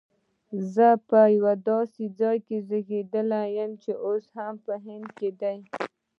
زه په یو داسي ځای کي زیږېدلی یم چي اوس په هند کي دی